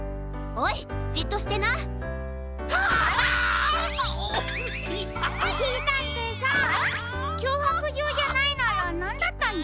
おしりたんていさんきょうはくじょうじゃないならなんだったんですか？